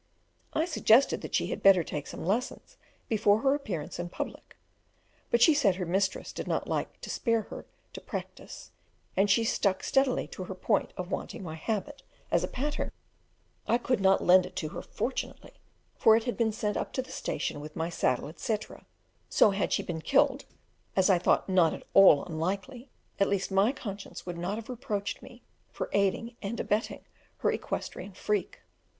I suggested that she had better take some lessons before her appearance in public; but she said her mistress did not like to spare her to "practise," and she stuck steadily to her point of wanting my habit as a pattern. I could not lend it to her, fortunately, for it had been sent up to the station with my saddle, etc.; so had she been killed, as I thought not at all unlikely, at least my conscience would not have reproached me for aiding and abetting her equestrian freak.